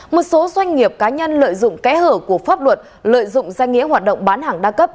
một số doanh nghiệp cá nhân lợi dụng kẽ hở của pháp luật lợi dụng danh nghĩa hoạt động bán hàng đa cấp